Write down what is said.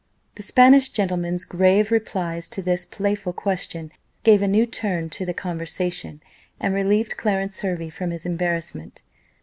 The Spanish gentleman's grave replies to this playful question gave a new turn to the conversation, and relieved Clarence Hervey from his embarrassment.